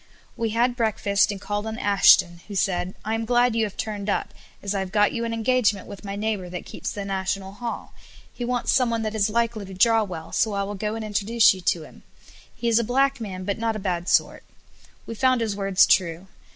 We had breakfast and called on Ashton, who said, "I am glad you have turned up, as I have got you an engagement with my neighbour that keeps the National Hall, he wants someone that is likely to draw well, so I will go and introduce you to him; he is a black man, but not a bad sort." We found his words true.